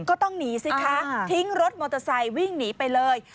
ก็ต้องหนีสิคะทิ้งรถมอเตอร์ไซค์วิ่งหนีไปเลย